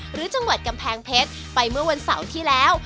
หรือจังหวัดกำแพงเพชรไปเมื่อวันเสาร์ที่แล้ว